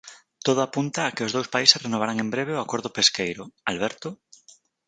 Todo apunta a que os dous países renovarán en breve o acordo pesqueiro, Alberto...